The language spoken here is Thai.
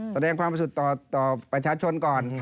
แสดงความประสุทธิ์ต่อประชาชนก่อน